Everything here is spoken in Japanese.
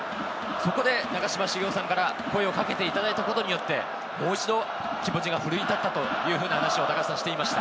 そこで長嶋茂雄さんから声をかけていただいたことによって、もう一度、気持ちが奮い立ったという話もしていました。